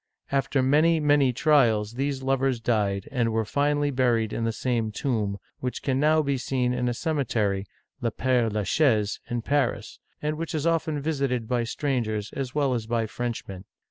After many, many trials, these lovers died, and were finally buried in the same tomb, which can now be seen in a cemetery (Le P^re La Chaise) in Paris, and which is often visited by strangers as well as by French men.